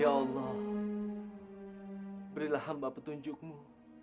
ya allah berilah hamba petunjukmu